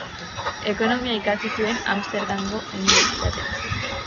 Ekonomia ikasi zuen Amsterdamgo Unibertsitatean.